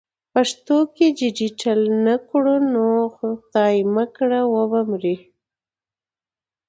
پښتو که ډیجیټل نه کړو نو خدای مه کړه و به مري.